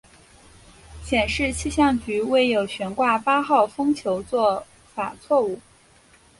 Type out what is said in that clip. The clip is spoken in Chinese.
显示气象局未有悬挂八号风球做法错误。